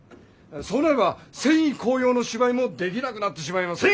そうなれば戦意高揚の芝居もできなくなってしまいます。